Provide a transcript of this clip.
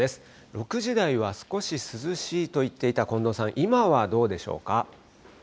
６時台は少し涼しいと言っていた近藤さん、今はどうでしょうか。